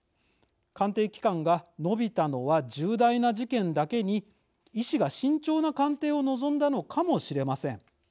鑑定期間が延びたのは重大な事件だけに医師が慎重な鑑定を望んだのかもしれません。